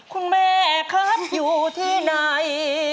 คุณแม่ครับอยู่ที่ไหน